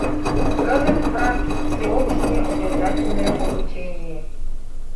Кызыт, брат, всеобщее обязательное обучение.